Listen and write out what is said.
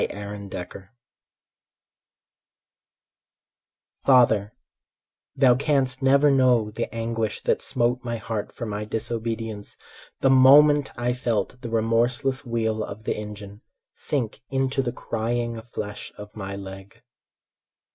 Johnnie Sayre Father, thou canst never know The anguish that smote my heart For my disobedience, the moment I felt The remorseless wheel of the engine Sink into the crying flesh of my leg.